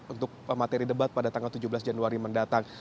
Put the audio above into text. untuk materi debat pada tanggal tujuh belas januari mendatang